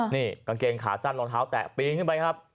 นี่กางเกงขาสั้นรองเท้าแตะปีนขึ้นไปครับ